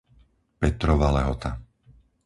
Petrova Lehota